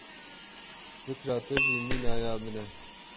Fikra te jî mîna ya min e.